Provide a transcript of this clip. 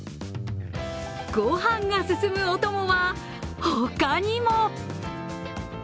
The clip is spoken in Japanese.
御飯が進むお供は他にも。